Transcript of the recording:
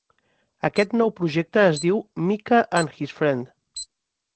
Aquest nou projecte es diu "Micah and His Friend".